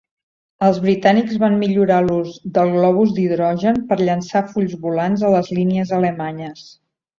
Els britànics van millorar l'ús del globus d'hidrogen per llançar fulls volants a les línies alemanyes.